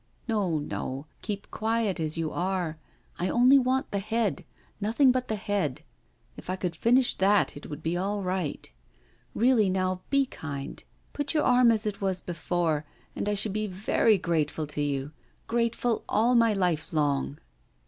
No, no; keep quiet as you are; I only want the head nothing but the head. If I could finish that, it would be all right. Really now, be kind; put your arm as it was before, and I shall be very grateful to you grateful all my life long.